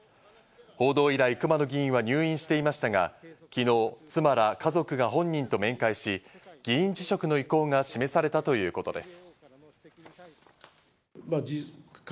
報道以来、熊野議員は入院していましたが、昨日、妻ら家族が本人と面会し、議員辞職の意向が示されたということです。